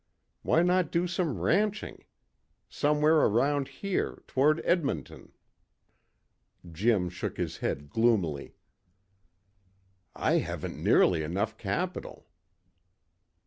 Why not do some ranching? Somewhere around here, toward Edmonton." Jim shook his head gloomily. "I haven't nearly enough capital."